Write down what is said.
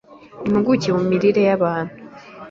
impuguke mu mirire y'abantu